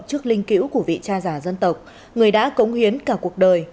trước linh cữu của vị cha già dân tộc người đã cống hiến cả cuộc đời